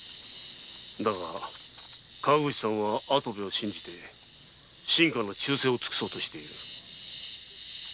だが川口さんは跡部を信じて臣下の忠誠を尽くそうとしている。